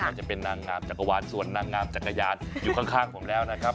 ว่าจะเป็นนางงามจักรวาลส่วนนางงามจักรยานอยู่ข้างผมแล้วนะครับ